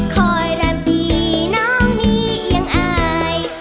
คอยร้านปีน้องนี้ยังอาย